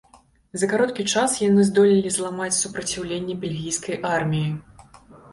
За кароткі час яны здолелі зламаць супраціўленне бельгійскай арміі.